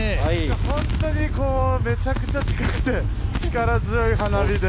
ほんとにめちゃくちゃ近くて力強い花火で。